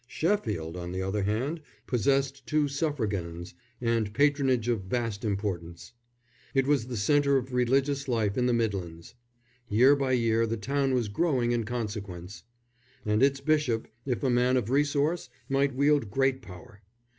Sheffield, on the other hand, possessed two suffragans and patronage of vast importance. It was the centre of religious life in the Midlands. Year by year the town was growing in consequence; and its bishop, if a man of resource, might wield great power.